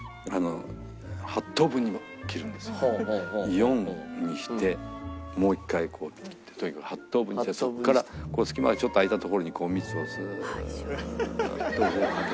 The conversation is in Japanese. ４にしてもう一回こうやって切ってとにかく８等分にしてそこからこう隙間がちょっとあいたところに蜜をスーッとこうかけていくという。